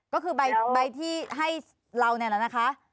ก็คือใบที่ให้เราเนี่ยแหละนะคะ